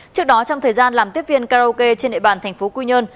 trước đó trong thời gian làm tiếp viên karaoke trên địa bàn tp quy nhơn